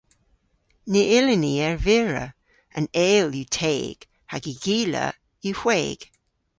Ny yllyn ni ervira. An eyl yw teg hag y gila yw hweg.